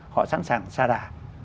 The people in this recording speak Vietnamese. họ sẵn sàng xa đà